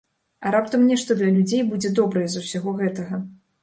А раптам нешта для людзей будзе добрае з усяго гэтага.